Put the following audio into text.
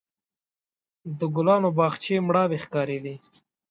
د ګلانو باغچې مړاوې ښکارېدې.